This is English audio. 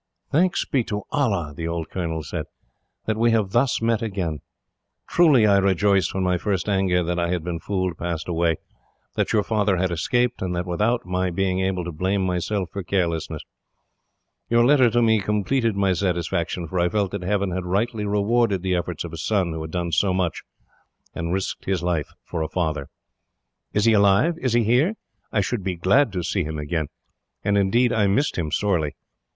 "Thanks be to Allah," the old colonel said, "that we have thus met again! Truly I rejoiced, when my first anger that I had been fooled passed away, that your father had escaped, and that without my being able to blame myself for carelessness. Your letter to me completed my satisfaction, for I felt that Heaven had rightly rewarded the efforts of a son who had done so much, and risked his life for a father. "Is he alive? Is he here? I should be glad to see him again; and indeed, I missed him sorely.